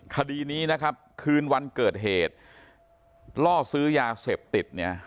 คดีนี้นะครับคืนวันเกิดเหตุล่อซื้อยาเสพติดเนี่ย